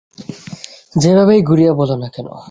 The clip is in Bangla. যেভাবেই ঘুরিয়ে বলো না কেন।